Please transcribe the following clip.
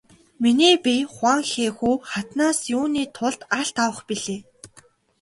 Миний бие Хуванхэхү хатнаас юуны тулд алт авах билээ?